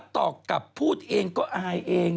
ตอบกลับพูดเองก็อายเอง